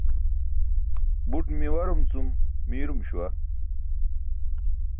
Buṭ miwarum cum miirum śuwa.